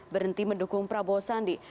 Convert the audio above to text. berhenti mendukung prabowo sandi